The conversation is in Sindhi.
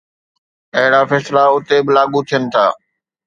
اهڙا فيصلا اتي به لاڳو ٿين ٿا